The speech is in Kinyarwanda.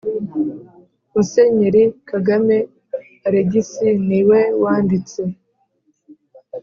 Musenyeri Kagame Alegisi ni we wanditse